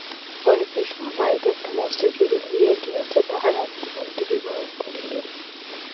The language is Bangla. হরেকৃষ্ণের বাড়িতে একটা মস্ত চুরি হইয়া গিয়াছে, তাহার আদ্যোপান্ত বিবরণ বলিলেন।